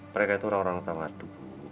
mereka itu orang orang yang tahu ngadu